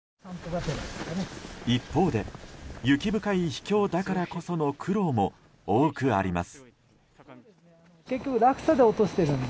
一方で、雪深い秘境だからこその苦労も多くあります。